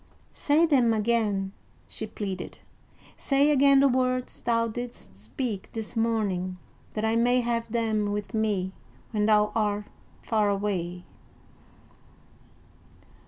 "Say them again," she pleaded, "say again the words thou didst speak this morning, that I may have them with me when thou art far away."